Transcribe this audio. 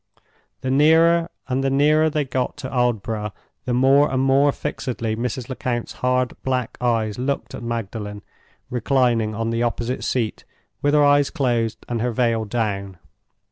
The nearer and the nearer they got to Aldborough the more and more fixedly Mrs. Lecount's hard black eyes looked at Magdalen reclining on the opposite seat, with her eyes closed and her veil down.